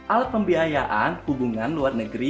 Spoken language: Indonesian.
alat pembiayaan hubungan luar negeri